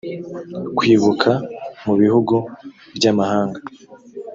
kwibuka mu bihugu by amahanga